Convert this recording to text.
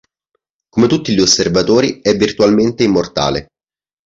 Come tutti gli Osservatori, è virtualmente immortale.